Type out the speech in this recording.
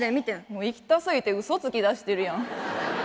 もう行きた過ぎてうそつきだしてるやん。